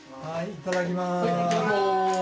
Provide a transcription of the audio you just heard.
いただきます。